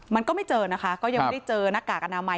มันก็ไม่เจอนะคะก็ยังไม่ได้เจอหน้ากากอนามัย